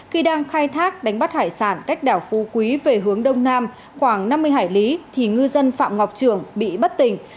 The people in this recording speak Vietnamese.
khi đang khai thác đánh bắt hải sản cách đảo phú quý về hướng đông nam khoảng năm mươi hải lý thì ngư dân phạm ngọc trường bị bất tỉnh